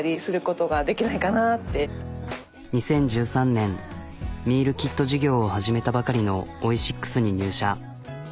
２０１３年ミールキット事業を始めたばかりのオイシックスに入社。